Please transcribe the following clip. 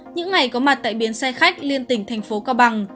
những ngày có mặt tại biến xe khách liên tỉnh thành phố cao bằng